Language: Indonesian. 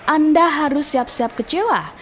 anda harus siap siap kecewa